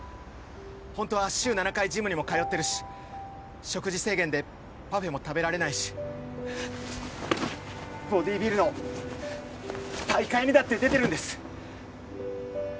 本当は週７回ジムにも通ってるし食事制限でパフェも食べられないしボディビルの大会にだって出てるんです！